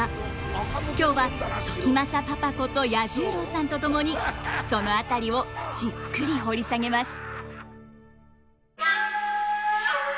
今日は時政パパこと彌十郎さんと共にその辺りをじっくり掘り下げます。